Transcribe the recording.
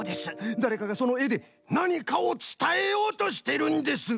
だれかがそのえでなにかをつたえようとしてるんです！